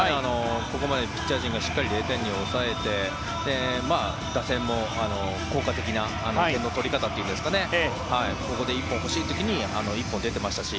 ここまでピッチャー陣がしっかり０点に抑えて打線も効果的な点の取り方といいますかここで一本が欲しい時に一本出てましたし。